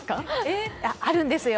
あるんですよ。